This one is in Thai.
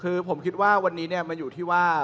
คือผมคิดว่าวันนี้มันอยู่ที่ว่า